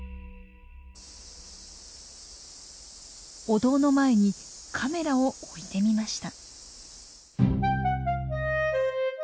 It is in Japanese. お堂の前にカメラを置いてみました。